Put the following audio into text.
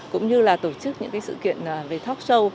cũng như là tổ chức những sự kiện về talk show